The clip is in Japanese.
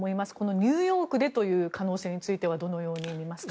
ニューヨークでという可能性についてはどうみますか？